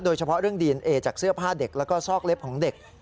โดยเฉพาะเรื่องดีเอนเอจากเสื้อผ้าเด็กแล้วก็ซอกเล็บของเด็ก